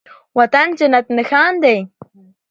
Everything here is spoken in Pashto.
وطن جنت نښان دی